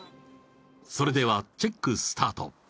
それではチェックスタート